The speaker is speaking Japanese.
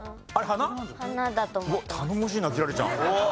頼もしいな輝星ちゃん。